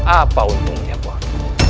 apa untungnya paman